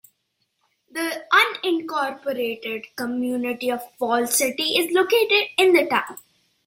The unincorporated community of Falls City is located in the town.